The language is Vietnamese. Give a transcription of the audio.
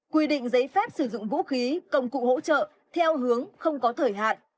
quy định giấy phép sử dụng vũ khí công cụ hỗ trợ theo hướng không có thời hạn